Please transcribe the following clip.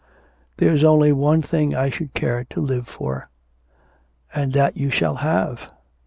'There's only one thing I should care to live for.' 'And that you shall have.'